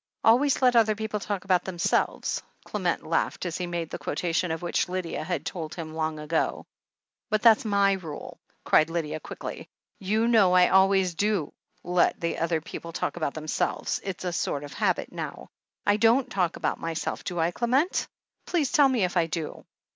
'Always let the other people talk about themselves,' Clement laughed as he made the quotation, of which Lydia had told him long ago. "But that's my rule!" cried Lydia quickly. "You know I always do let the other people talk about them selves — it's a sort of habit now. I don't talk about my self, do I, Clement? Please tell me if I do."